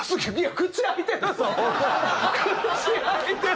口開いてる！